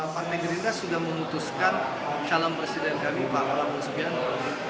partai gerindra sudah memutuskan calon presiden kami pak prabowo subianto